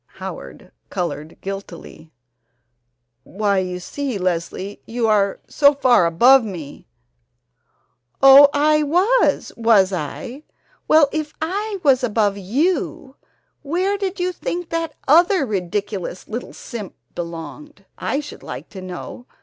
Howard colored guiltily: "Why, you see, Leslie, you are so far above me " "Oh, I was, was I? Well, if I was above you, where did you think that other ridiculous little simp belonged, I should like to know?